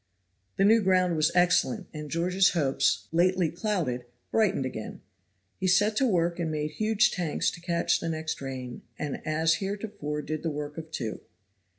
The new ground was excellent, and George's hopes, lately clouded, brightened again. He set to work and made huge tanks to catch the next rain, and as heretofore did the work of two.